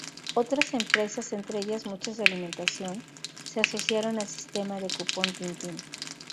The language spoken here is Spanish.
Otras empresas, entre ellas muchas de alimentación, se asociaron al sistema del cupón Tintin...